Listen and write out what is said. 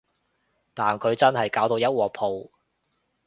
但佢真係搞到一鑊泡